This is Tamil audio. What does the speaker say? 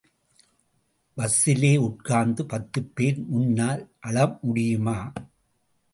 பஸ்ஸிலே உட்கார்ந்து பத்துபேர் முன்னால் அழ முடியுமா?